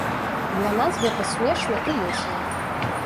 Для нас гэта смешна і весела.